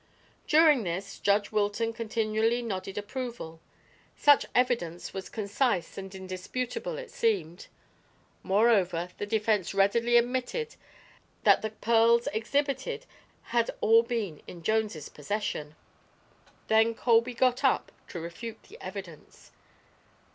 During this, Judge Wilton continually nodded approval. Such evidence was concise and indisputable, it seemed. Moreover, the defense readily admitted that the pearls exhibited had all been in Jones' possession. Then Colby got up to refute the evidence.